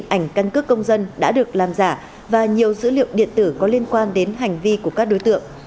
hai ảnh căn cước công dân đã được làm giả và nhiều dữ liệu điện tử có liên quan đến hành vi của các đối tượng